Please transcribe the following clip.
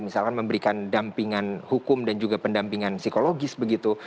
misalkan memberikan dampingan hukum dan juga pendampingan psikologis begitu